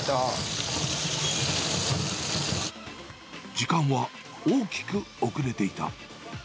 時間は大きく遅れていた。